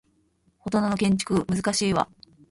フォトナの建築難しいわ